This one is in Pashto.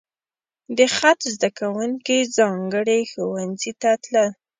د خط زده کوونکي ځانګړي ښوونځي ته تلل.